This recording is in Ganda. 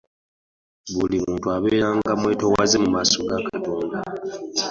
Buli muntu abeerenga mwetowaze mu maaso ga Katonda.